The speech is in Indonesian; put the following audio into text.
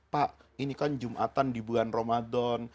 pak ini kan jumatan di bulan ramadan